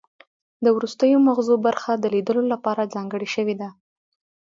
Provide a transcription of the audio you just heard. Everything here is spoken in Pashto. د وروستیو مغزو برخه د لیدلو لپاره ځانګړې شوې ده